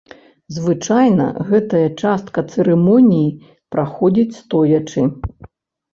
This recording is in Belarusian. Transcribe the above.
Звычайна гэтая частка цырымоніі праходзіць стоячы.